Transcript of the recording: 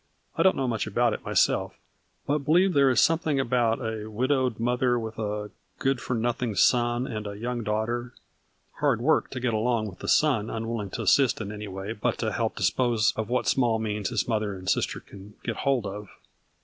I don't know much about it myself, but believe there is something about a widowed mother with a good for nothing son and a young daughter, hard work to get along with the son unwilling to assist in any way but to help dispose of what small means his mother and sister can get hold of.